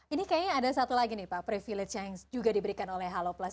ini kayaknya ada satu lagi nih pak privilege yang juga diberikan oleh halo plus